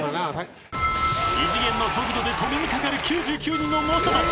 ［異次元の速度で止めにかかる９９人の猛者たち］